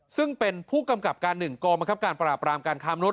ซึ่งเป็นผู้กำกับการหนึ่งกรมกรับการปราบรามการคามรถ